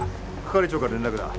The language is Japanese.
係長から連絡だ。